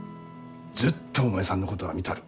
ずっとお前さんのことは見たる。